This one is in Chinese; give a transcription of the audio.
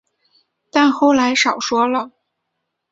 但后来少说了